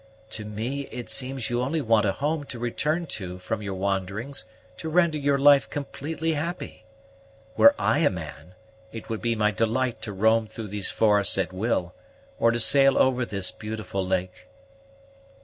"To me it seems you only want a home to return to from your wanderings to render your life completely happy. Were I a man, it would be my delight to roam through these forests at will, or to sail over this beautiful lake."